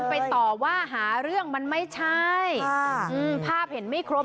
ไปต่อว่าหาเรื่องมันไม่ใช่ภาพเห็นไม่ครบ